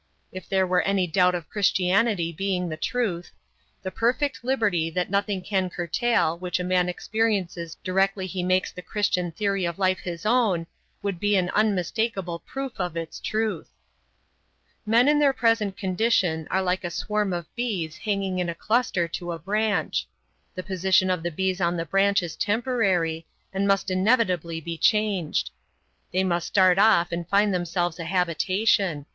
If there were any doubt of Christianity being the truth, the perfect liberty, that nothing can curtail, which a man experiences directly he makes the Christian theory of life his own, would be an unmistakable proof of its truth. Men in their present condition are like a swarm of bees hanging in a cluster to a branch. The position of the bees on the branch is temporary, and must inevitably be changed. They must start off and find themselves a habitation.